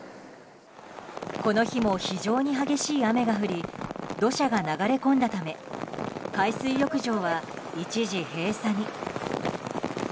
この日も非常に激しい雨が降り土砂が流れ込んだため海水浴場は一時閉鎖に。